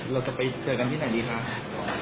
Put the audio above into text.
เราจะไปเจอกันที่ไหนดีคะ